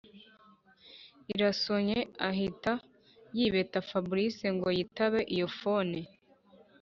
irasonye ahita yibeta fabric ngo yitabe iyo phone.